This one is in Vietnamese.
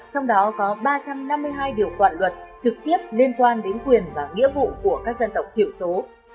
trong đó có ba trăm năm mươi hai điều khoản luật trực tiếp liên quan đến quyền và nghĩa vụ của các dân tộc thiểu số